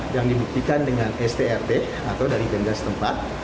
yang dibuktikan dengan sprt atau dari tempat tempat